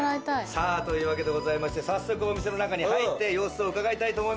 さぁというわけでございまして早速お店の中に入って様子を伺いたいと思います。